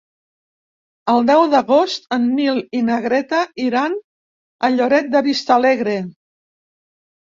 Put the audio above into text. El deu d'agost en Nil i na Greta iran a Lloret de Vistalegre.